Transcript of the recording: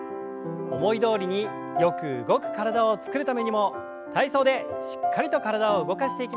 思いどおりによく動く体を作るためにも体操でしっかりと体を動かしていきましょう。